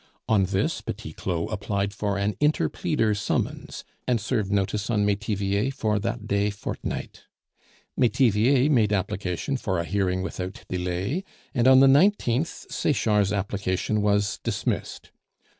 On this Petit Claud applied for an interpleader summons, and served notice on Metivier for that day fortnight. Metivier made application for a hearing without delay, and on the 19th, Sechard's application was dismissed.